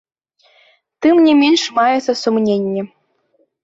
Тым не менш, маюцца сумненні.